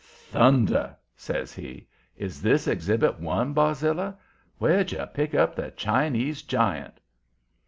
"Thunder!" says he. "Is this Exhibit One, Barzilla? Where'd you pick up the Chinese giant?"